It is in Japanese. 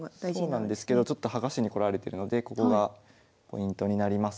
そうなんですけど剥がしにこられてるのでここがポイントになります。